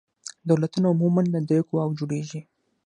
دولتونه عموماً له درې قواوو جوړیږي.